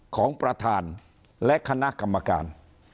ของประธานและคณะกรรมการ